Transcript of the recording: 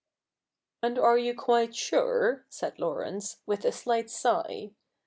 ' And are you quite sure,' said Laurence, with a slight sigh.